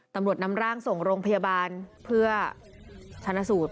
ตำรวจนำร่างส่งโรงพยาบาลเพื่อชนะสูตร